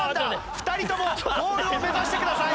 ２人ともゴールを目指してください。